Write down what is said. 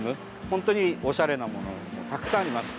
本当におしゃれなものもたくさんあります。